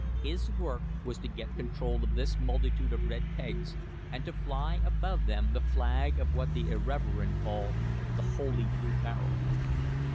* His work was to get control of this multitude of 1 red pegs and to fly above them the flag of what the irreverent call the "holy blue barrel.